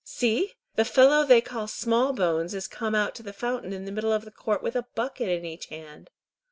See! The fellow they call Smallbones is come out to the fountain in the middle of the court with a bucket in each hand.